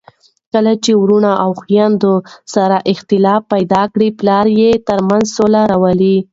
کله چي وروڼه او خويندې سره اختلاف پیدا کړي، پلار یې ترمنځ سوله راولي.